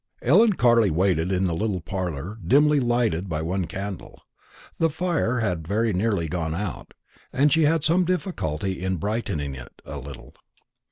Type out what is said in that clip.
Ellen Carley waited in the little parlour, dimly lighted by one candle. The fire had very nearly gone out, and she had some difficulty in brightening it a little.